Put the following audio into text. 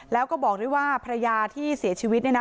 แล้วก็บอกด้วยว่าภรรยาที่เสียชีวิตเนี่ยนะ